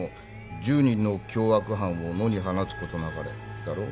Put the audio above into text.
「十人の凶悪犯を野に放つことなかれ」だろう？